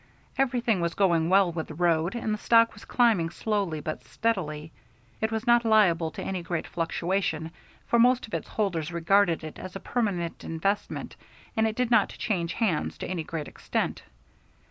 Everything was going well with the road, and the stock was climbing slowly but steadily. It was not liable to any great fluctuation, for most of its holders regarded it as a permanent investment and it did not change hands to any great extent.